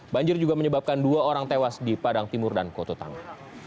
banjir juga menyebabkan dua orang tewas di padang timur dan koto tanga